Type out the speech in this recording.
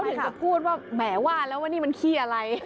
เพราะคือก็พูดว่าแหมว่าแล้วนี่มันขี้อะไร